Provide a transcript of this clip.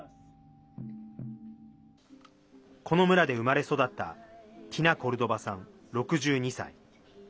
この村で生まれ育ったティナ・コルドバさん、６２歳。